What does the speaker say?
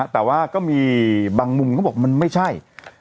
แต่ว่าก็มีบางมุมเขาบอกมันไม่ใช่